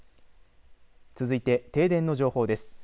続いて、停電の情報です。